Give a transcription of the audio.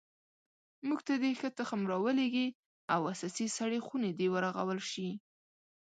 موږ ته دې ښه تخم را ولیږي او اساسي سړې خونې دې ورغول شي